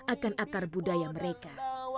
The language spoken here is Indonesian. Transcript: akan akar budaya mereka